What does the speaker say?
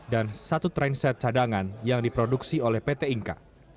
dan satu train set cadangan yang diproduksi oleh pt inka